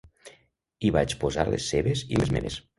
Hi vaig posar les seves i les meves.